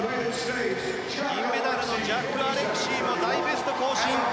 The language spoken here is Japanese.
銀メダルのジャック・アレクシーもベスト更新。